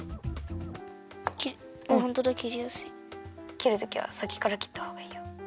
きるときはさきからきったほうがいいよ。